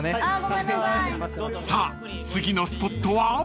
［さあ次のスポットは？］